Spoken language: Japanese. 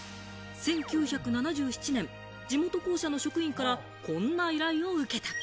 １９７７年、地元公社の職員から、こんな依頼を受けた。